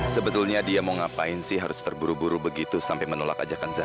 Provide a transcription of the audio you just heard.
sebetulnya dia mau ngapain sih harus terburu buru begitu sampai menolak ajakan zakat